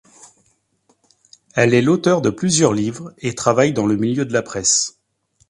Elle est l'auteur de plusieurs livres et travaille dans le milieu de la presse.